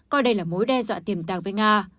coi đây là mối đe dọa tiềm tàng với nga